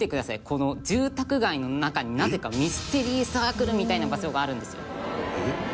この住宅街の中になぜかミステリーサークルみたいな場所があるんですよ」